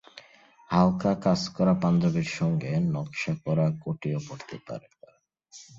হালকা কাজ করা পাঞ্জাবির সঙ্গে নকশা করা কোটিও পরতে পারে ওরা।